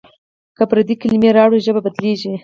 که پردۍ کلمې راوړو ژبه بدلېږي.